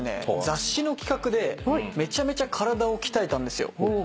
雑誌の企画でめちゃめちゃ体を鍛えたんですよ。